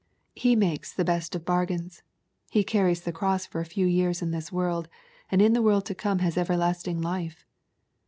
He makes the best of bargains. He carries the cross for a few years in this world, and in the world to come has everlasting life.